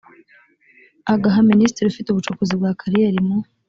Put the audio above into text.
agaha minisitiri ufite ubucukuzi bwa kariyeri mu